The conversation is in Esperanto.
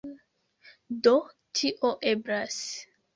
Do, tio eblas.